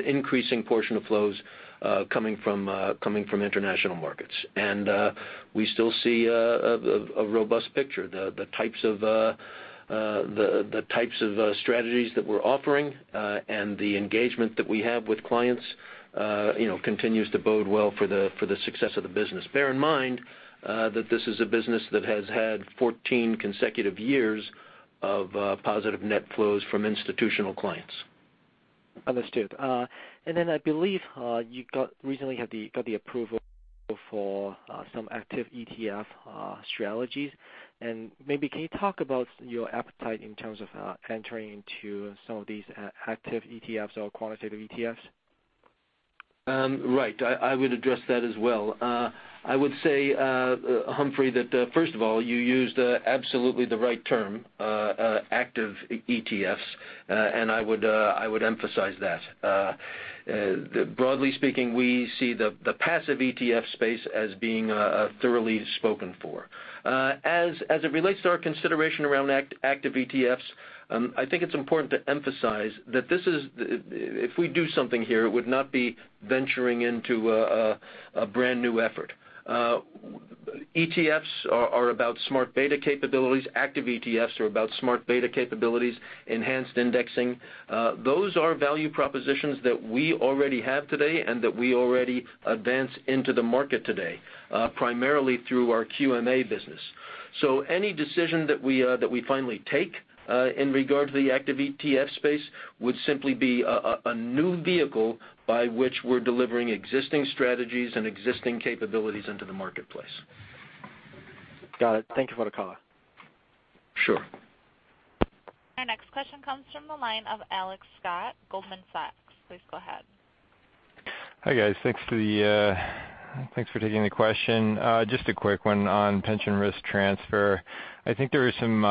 increasing portion of flows coming from international markets. We still see a robust picture. The types of strategies that we're offering, and the engagement that we have with clients continues to bode well for the success of the business. Bear in mind that this is a business that has had 14 consecutive years of positive net flows from institutional clients. Understood. Then I believe you recently got the approval for some active ETF strategies. Maybe can you talk about your appetite in terms of entering into some of these active ETFs or quantitative ETFs? Right. I would address that as well. I would say, Humphrey, that first of all, you used absolutely the right term, active ETFs, and I would emphasize that. Broadly speaking, we see the passive ETF space as being thoroughly spoken for. As it relates to our consideration around active ETFs, I think it's important to emphasize that if we do something here, it would not be venturing into a brand-new effort. ETFs are about smart beta capabilities. Active ETFs are about smart beta capabilities, enhanced indexing. Those are value propositions that we already have today and that we already advance into the market today, primarily through our QMA business. Any decision that we finally take in regard to the active ETF space would simply be a new vehicle by which we're delivering existing strategies and existing capabilities into the marketplace. Got it. Thank you for the color. Sure. Our next question comes from the line of Alex Scott, Goldman Sachs. Please go ahead. Hi, guys. Thanks for taking the question. Just a quick one on pension risk transfer. I think there were some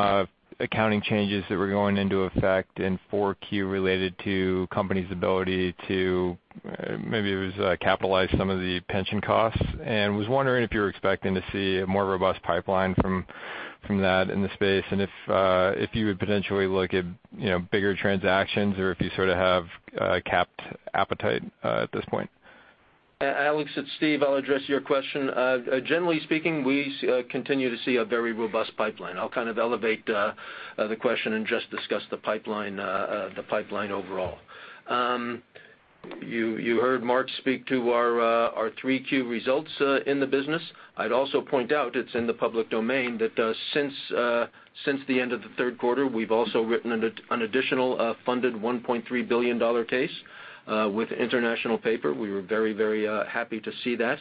accounting changes that were going into effect in 4Q related to company's ability to maybe it was capitalize some of the pension costs. Was wondering if you're expecting to see a more robust pipeline from that in the space and if you would potentially look at bigger transactions or if you sort of have a capped appetite at this point. Alex, it's Steve. I'll address your question. Generally speaking, we continue to see a very robust pipeline. I'll kind of elevate the question and just discuss the pipeline overall. You heard Mark speak to our 3Q results in the business. I'd also point out it's in the public domain that since the end of the third quarter, we've also written an additional funded $1.3 billion case with International Paper. We were very happy to see that.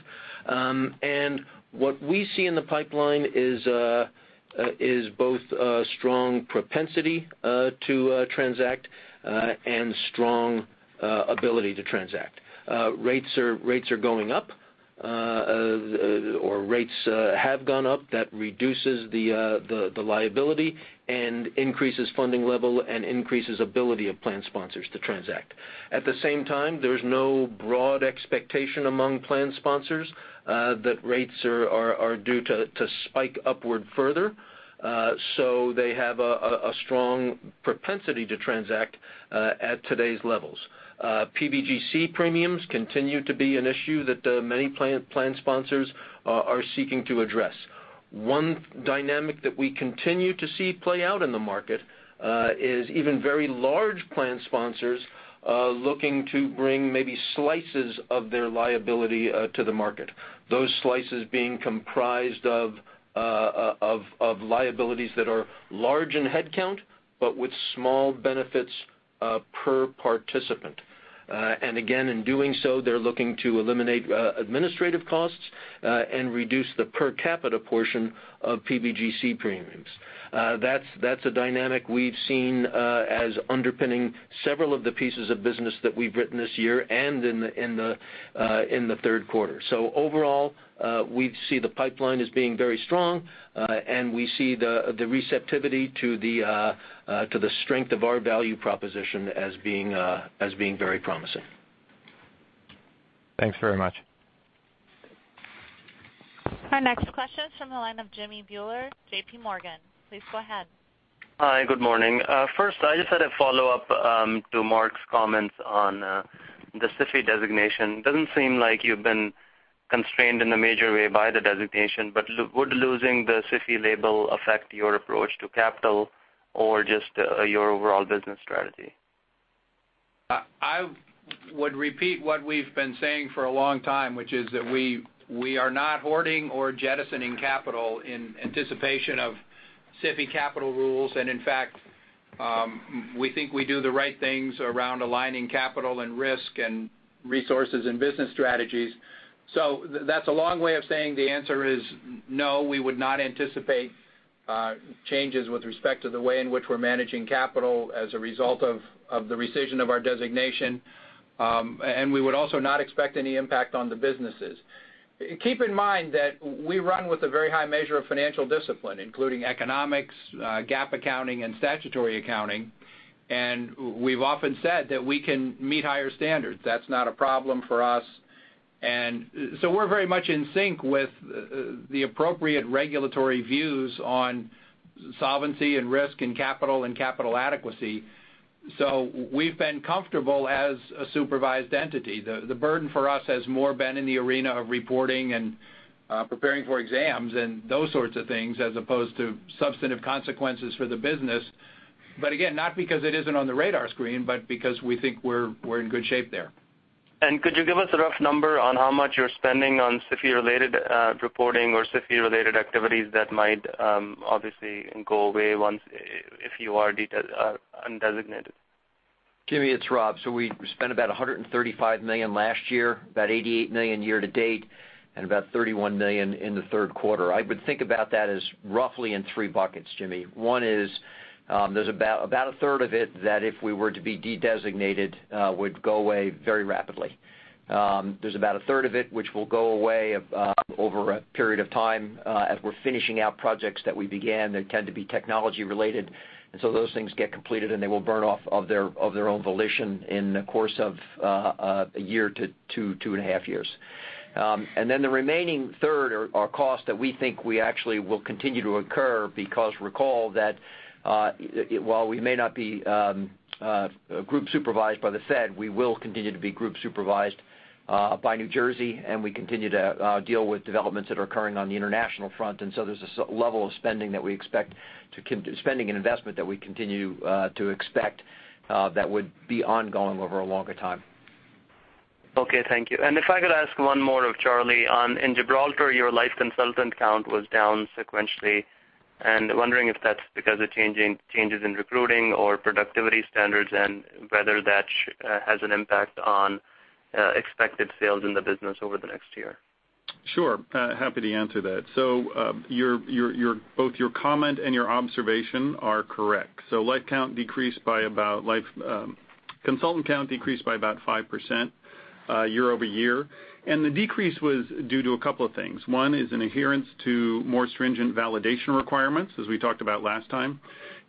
What we see in the pipeline is both a strong propensity to transact and strong ability to transact. Rates are going up or rates have gone up. That reduces the liability and increases funding level and increases ability of plan sponsors to transact. At the same time, there's no broad expectation among plan sponsors that rates are due to spike upward further. They have a strong propensity to transact at today's levels. PBGC premiums continue to be an issue that many plan sponsors are seeking to address. One dynamic that we continue to see play out in the market is even very large plan sponsors looking to bring maybe slices of their liability to the market. Those slices being comprised of liabilities that are large in headcount but with small benefits per participant. Again, in doing so, they're looking to eliminate administrative costs and reduce the per capita portion of PBGC premiums. That's a dynamic we've seen as underpinning several of the pieces of business that we've written this year and in the third quarter. Overall, we see the pipeline as being very strong, and we see the receptivity to the strength of our value proposition as being very promising. Thanks very much. Our next question is from the line of Jimmy Bhullar, J.P. Morgan. Please go ahead. Hi. Good morning. First, I just had a follow-up to Mark's comments on the SIFI designation. It doesn't seem like you've been constrained in a major way by the designation, would losing the SIFI label affect your approach to capital or just your overall business strategy? I would repeat what we've been saying for a long time, which is that we are not hoarding or jettisoning capital in anticipation of SIFI capital rules. In fact, we think we do the right things around aligning capital and risk and resources and business strategies. That's a long way of saying the answer is no, we would not anticipate changes with respect to the way in which we're managing capital as a result of the rescission of our designation, and we would also not expect any impact on the businesses. Keep in mind that we run with a very high measure of financial discipline, including economics, GAAP accounting, and statutory accounting. We've often said that we can meet higher standards. That's not a problem for us. We're very much in sync with the appropriate regulatory views on solvency and risk and capital and capital adequacy. We've been comfortable as a supervised entity. The burden for us has more been in the arena of reporting and preparing for exams and those sorts of things as opposed to substantive consequences for the business. Again, not because it isn't on the radar screen, but because we think we're in good shape there. Could you give us a rough number on how much you're spending on SIFI-related reporting or SIFI-related activities that might obviously go away if you are undesignated? Jimmy, it's Rob. We spent about $135 million last year, about $88 million year-to-date, and about $31 million in the third quarter. I would think about that as roughly in three buckets, Jimmy. One is, there's about a third of it that if we were to be de-designated, would go away very rapidly. There's about a third of it which will go away over a period of time as we're finishing out projects that we began that tend to be technology related. Those things get completed, and they will burn off of their own volition in the course of a year to two and a half years. The remaining third are costs that we think we actually will continue to incur because recall that while we may not be group supervised by the Fed, we will continue to be group supervised by New Jersey, and we continue to deal with developments that are occurring on the international front. There's a level of spending and investment that we continue to expect that would be ongoing over a longer time. Okay, thank you. If I could ask one more of Charlie. In Gibraltar, your life consultant count was down sequentially. Wondering if that's because of changes in recruiting or productivity standards and whether that has an impact on expected sales in the business over the next year. Sure. Happy to answer that. Both your comment and your observation are correct. Consultant count decreased by about 5% year-over-year. The decrease was due to a couple of things. One is an adherence to more stringent validation requirements, as we talked about last time,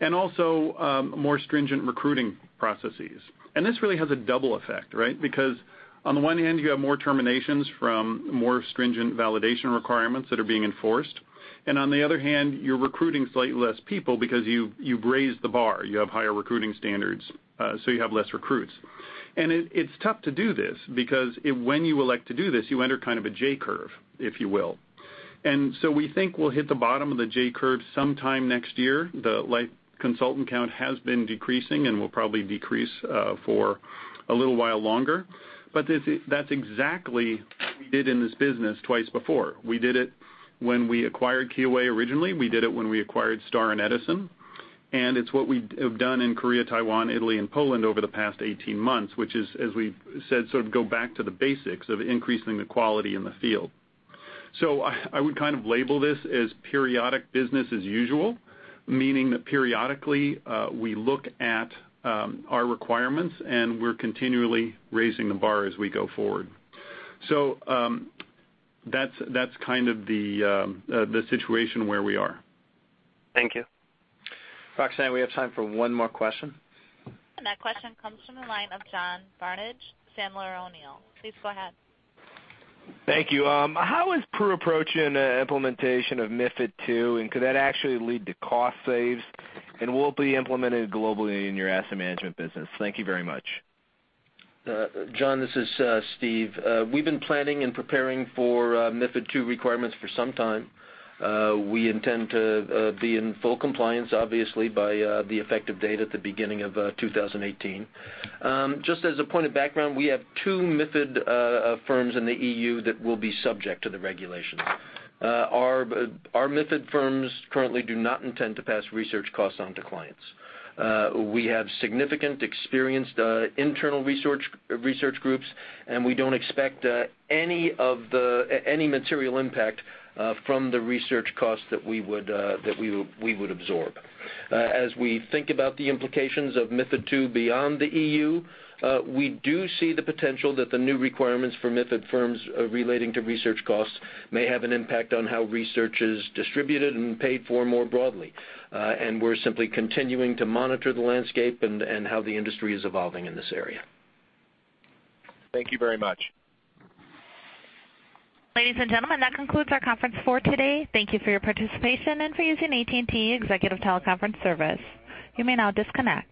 and also more stringent recruiting processes. This really has a double effect, right? Because on the one hand, you have more terminations from more stringent validation requirements that are being enforced. On the other hand, you're recruiting slightly less people because you've raised the bar. You have higher recruiting standards, so you have less recruits. It's tough to do this because when you elect to do this, you enter kind of a J curve, if you will. We think we'll hit the bottom of the J curve sometime next year. The life consultant count has been decreasing and will probably decrease for a little while longer. That's exactly what we did in this business twice before. We did it when we acquired Kyoei originally. We did it when we acquired Star and Edison. It's what we have done in Korea, Taiwan, Italy and Poland over the past 18 months, which is, as we said, sort of go back to the basics of increasing the quality in the field. I would kind of label this as periodic business as usual, meaning that periodically, we look at our requirements, and we're continually raising the bar as we go forward. That's kind of the situation where we are. Thank you. Roxanne, we have time for one more question. That question comes from the line of John Barnidge, Sandler O'Neill. Please go ahead. Thank you. How is Pru approaching the implementation of MiFID II, could that actually lead to cost saves? Will it be implemented globally in your asset management business? Thank you very much. John, this is Steve. We've been planning and preparing for MiFID II requirements for some time. We intend to be in full compliance, obviously, by the effective date at the beginning of 2018. Just as a point of background, we have two MiFID firms in the EU that will be subject to the regulation. Our MiFID firms currently do not intend to pass research costs on to clients. We have significant experienced internal research groups, we don't expect any material impact from the research costs that we would absorb. As we think about the implications of MiFID II beyond the EU, we do see the potential that the new requirements for MiFID firms relating to research costs may have an impact on how research is distributed and paid for more broadly. We're simply continuing to monitor the landscape and how the industry is evolving in this area. Thank you very much. Ladies and gentlemen, that concludes our conference for today. Thank you for your participation and for using AT&T Executive Teleconference Service. You may now disconnect.